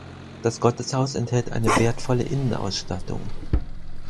Das Gotteshaus enthält eine wertvolle Innenausstattung.